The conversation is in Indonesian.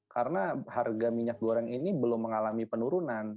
karena harga minyak goreng ini belum mengalami penurunan